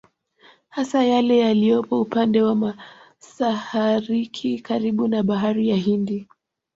Hasa yale yaliyopo upande wa Masahariki karibu na bahari ya Hindi